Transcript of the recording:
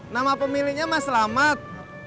nama pemiliknya mas lamad